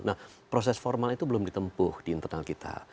nah proses formal itu belum ditempuh di internal kita